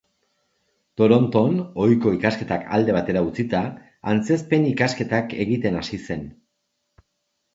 Toronton, ohiko ikasketak alde batera utzita, antzezpen-ikasketak egiten hasi zen.